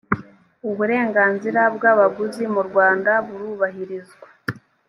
uburenganzira bw’ abaguzi mu rwanda burubahirizwa